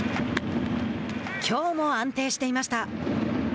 きょうも安定していました。